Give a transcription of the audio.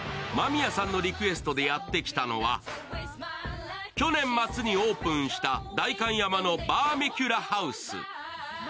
間宮さんのリクエストでやってきたのは去年末にオープンした代官山のバーミキュラハウス。